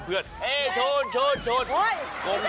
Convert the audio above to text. เรื่องจริงป่ะ